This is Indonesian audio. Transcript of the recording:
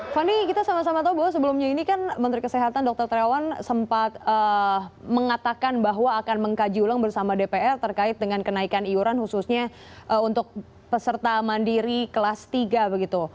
fani kita sama sama tahu bahwa sebelumnya ini kan menteri kesehatan dr terawan sempat mengatakan bahwa akan mengkaji ulang bersama dpr terkait dengan kenaikan iuran khususnya untuk peserta mandiri kelas tiga begitu